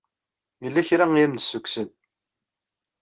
Yella kra ay am-yessukkes.